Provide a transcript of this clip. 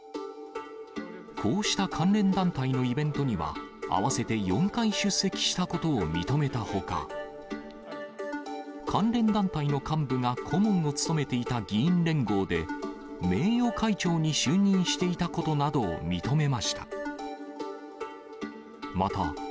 こうした関連団体のイベントには、合わせて４回出席したことを認めたほか、関連団体の幹部が顧問を務めていた議員連合で、名誉会長に就任していたことなどを認めました。